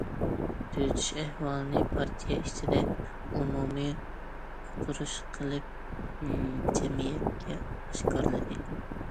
تۈزىتىش ئەھۋالىنى پارتىيە ئىچىدە ئومۇمىي ئۇقتۇرۇش قىلىپ، جەمئىيەتكە ئاشكارىلىدى.